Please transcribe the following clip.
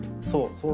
そう。